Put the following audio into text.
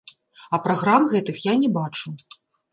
А праграм гэтых я не бачу.